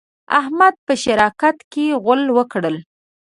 احمد په شراکت کې غول وکړل.